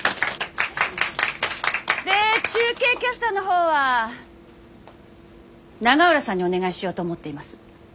で中継キャスターの方は永浦さんにお願いしようと思っています。